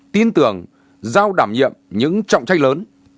tin tưởng giao đảm nhiệm những trọng trách lớn